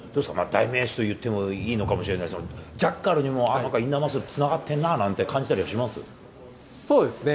代名詞といってもいいのかもしれないですけど、ジャッカルにもなんかインナーマッスル、つながってるなって感じたりはしそうですね。